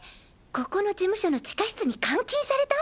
ここの事務所の地下室に監禁された？